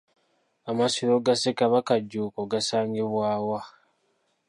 Amasiro ga Ssekabaka Jjuuko gasangibwa wa?